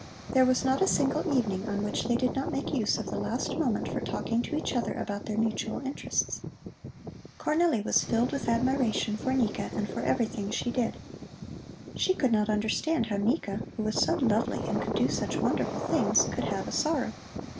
There was not a single evening on which they did not make use of the last moment for talking to each other about their mutual interests. Cornelli was filled with admiration for Nika and for everything she did. She could not understand how Nika, who was so lovely and could do such wonderful things, could have a sorrow.